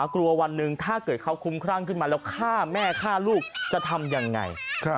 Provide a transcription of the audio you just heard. วันหนึ่งถ้าเกิดเขาคุ้มครั่งขึ้นมาแล้วฆ่าแม่ฆ่าลูกจะทำยังไง